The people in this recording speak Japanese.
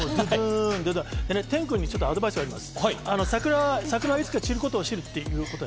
テン君にアドバイスがあります。